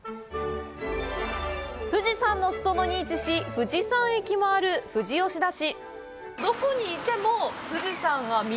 富士山の裾野に位置し、富士山駅もある富士吉田市。